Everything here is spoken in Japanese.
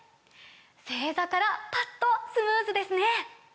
正座からパッとスムーズですね！